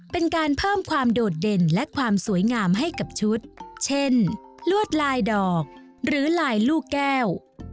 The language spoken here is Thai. เป็นการเพิ่มความโดดเด่นและความสวยงามให้กับชุดเช่นลวดลายดอกหรือลายลูกแก้ว